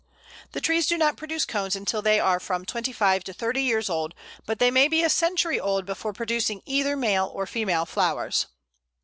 The trees do not produce cones until they are from twenty five to thirty years old; but they may be a century old before producing either male or female flowers.